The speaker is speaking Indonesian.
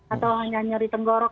atau hanya nyeri tenggorok